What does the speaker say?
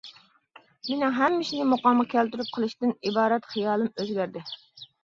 مېنىڭ ھەممە ئىشنى مۇقامىغا كەلتۈرۈپ قىلىشتىن ئىبارەت خىيالىم ئۆزگەردى.